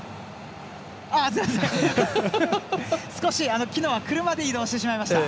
少し、昨日は車で移動してしました。